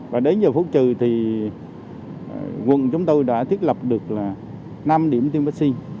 và đến giờ phút trừ thì quận chúng tôi đã thiết lập được năm điểm tiêm vaccine